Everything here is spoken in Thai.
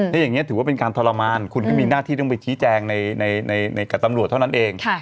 ถ้าอย่างนี้ถือว่าเป็นการทรมานคุณก็มีหน้าที่ต้องไปชี้แจงในกับตำรวจเท่านั้นเอง